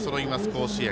甲子園。